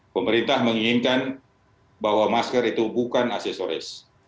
pemerintah menginginkan bahwa masker itu bukan aksesoris